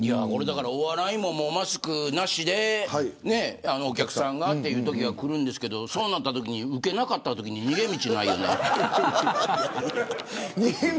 お笑いもマスクなしでお客さんが、というときがくるんですけどそうなったときにウケなかったときに逃げ道がないよね。